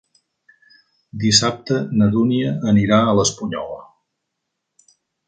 Dissabte na Dúnia anirà a l'Espunyola.